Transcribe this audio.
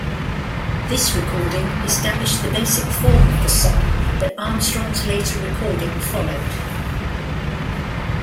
This recording established the basic form of the song that Armstrong's later recording followed.